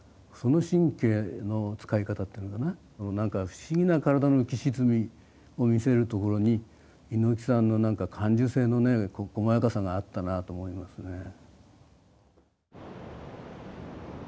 その神経のつかい方っていうのかななんか不思議な体の浮き沈みを見せるところに猪木さんのなんか感受性のねこまやかさがあったなと思いますね。